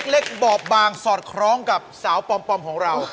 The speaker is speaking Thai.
เล็กบอบบางสอดคล้องกับสาวปอมของเรา